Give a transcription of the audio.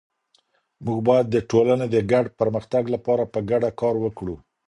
مونږ بايد د ټولني د ګډ پرمختګ لپاره په ګډه کار وکړو.